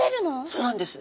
そうなんです。